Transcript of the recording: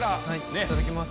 いただきます。